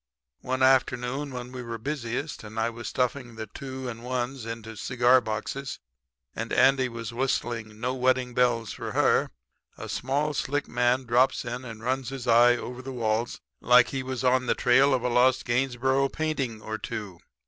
"One afternoon when we were busiest and I was stuffing the two and ones into cigar boxes and Andy was whistling 'No Wedding Bells for Her' a small slick man drops in and runs his eye over the walls like he was on the trail of a lost Gainesborough painting or two.